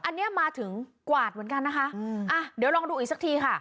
อันนี้มาถึงกวาดเหมือนกันนะคะอืมอ่ะเดี๋ยวลองดูอีกสักทีค่ะ